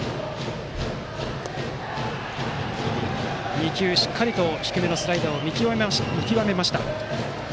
２球、しっかりと低めのスライダーを見極めました。